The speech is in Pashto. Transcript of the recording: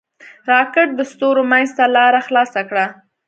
راکټ د ستورو منځ ته لاره خلاصه کړه